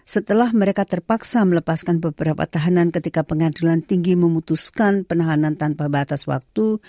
setelah mereka terpaksa melepaskan beberapa tahanan ketika pengadilan tinggi memutuskan penahanan tanpa batas waktu